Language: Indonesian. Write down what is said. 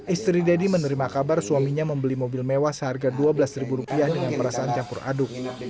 istri deddy menerima kabar suaminya membeli mobil mewah seharga dua belas rupiah dengan perasaan campur aduk